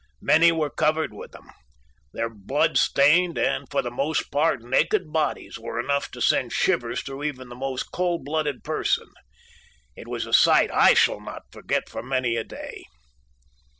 Many were covered with them. Their blood stained and, for the most part, naked bodies were enough to send shivers through even the most cold blooded person. It was a sight I shall not forget for many a day.